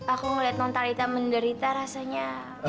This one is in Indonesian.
aku ngeliat nonton talitha menderita rasanya